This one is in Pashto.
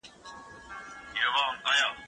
زه به سبا چپنه پاکوم